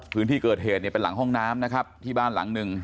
พื้นที่เกิดเหตุเนี่ยเป็นหลังห้องน้ำนะครับที่บ้านหลังหนึ่ง